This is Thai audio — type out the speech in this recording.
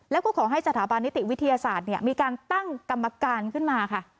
แล้วก็ขอให้สถาบันนิติวิทยาศาสตร์มีการตั้งกรรมการขึ้นมาค่ะ